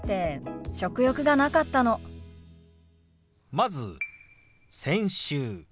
まず「先週」。